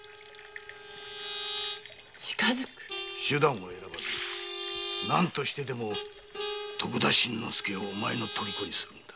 近づく？手段を選ばず何としてでも徳田新之助をお前のトリコにするのだ。